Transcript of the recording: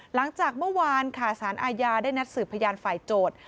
หลังจากเมื่อวานค่ะสารอาญาได้นัดสืบพยานฝ่ายโจทย์